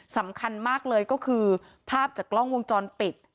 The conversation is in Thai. สำคัญมากเลยก็คือภาพจากกล้องวงจรปิด